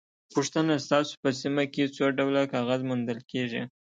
پوښتنه: ستاسو په سیمه کې څو ډوله کاغذ موندل کېږي؟